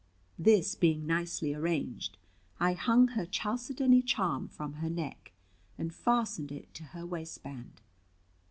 This being nicely arranged, I hung her chalcedony charm from her neck, and fastened it to her waist band.